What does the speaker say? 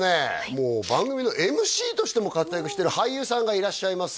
もう番組のＭＣとしても活躍してる俳優さんがいらっしゃいます